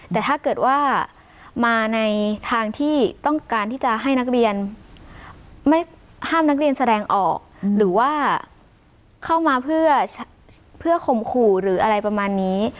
แต่ถ้าเกิดว่ามาในทางที่ต้องการที่จะให้นักเรียนไม่ห้ามนักเรียนแสดงออกหรือว่าเข้ามาเพื่อข่มขู่หรืออะไรประมาณนี้